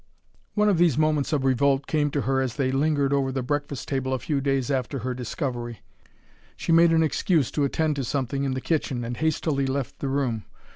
One of these moments of revolt came to her as they lingered over the breakfast table a few days after her discovery. She made an excuse to attend to something in the kitchen, and hastily left the room.